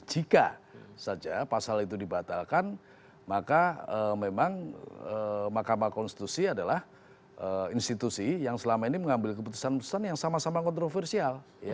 jika saja pasal itu dibatalkan maka memang mahkamah konstitusi adalah institusi yang selama ini mengambil keputusan keputusan yang sama sama kontroversial